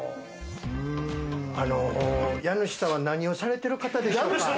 家主さんは何をされてる方でしょうか？